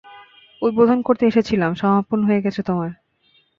উদ্বোধন করতে এসেছিলাম, সমাপন হয়ে গেছে তোমার।